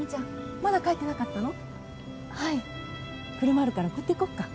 車あるから送っていこうか？